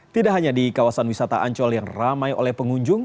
tidak hanya di kawasan wisata ancol yang ramai oleh pengunjung